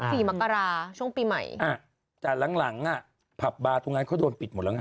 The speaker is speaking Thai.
ศรีมะกราช่วงปีใหม่อ่ะแต่หลังอ่ะพับบาร์ทุกงานเขาโดนปิดหมดแล้วไง